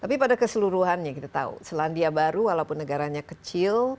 tapi pada keseluruhannya kita tahu selandia baru walaupun negaranya kecil